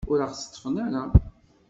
Ur aɣ-teṭṭfen ara.